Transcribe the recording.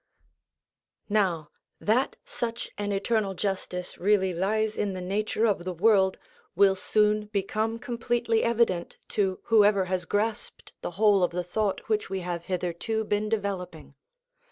Now that such an eternal justice really lies in the nature of the world will soon become completely evident to whoever has grasped the whole of the thought which we have hitherto been developing.